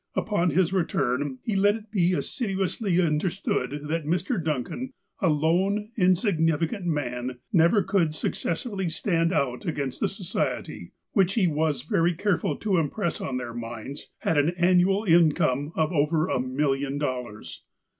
Upon his return, he let it be assiduously understood that Mr. Duncan, a lone, insignificant man, never could successfully stand out against the Society, which, he was very careful to impress on their minds, had an annual in come of over ^' a million dollars."